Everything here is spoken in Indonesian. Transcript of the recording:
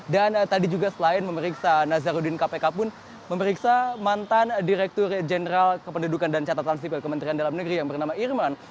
dan tadi juga selain memeriksa nazarudin kpk pun memeriksa mantan direktur jenderal kependudukan dan catatan sipil kementerian dalam negeri yang bernama irman